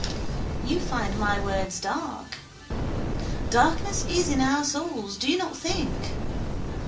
You find my words dark. Darkness is in our souls do you not think?